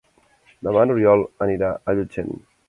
Demà n'Oriol anirà a Llutxent.